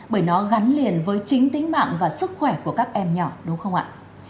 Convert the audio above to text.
bởi nó gắn liền với chính tính mạng và sức khỏe của các em nhỏ đúng không ạ